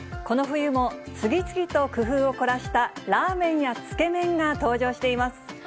この冬も、次々と工夫を凝らしたラーメンやつけ麺が登場しています。